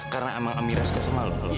karena amira suka dengan kamu